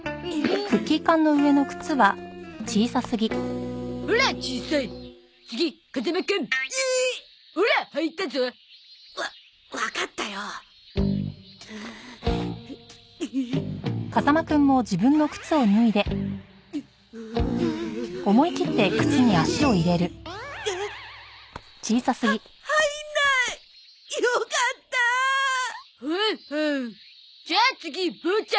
じゃあ次ボーちゃん。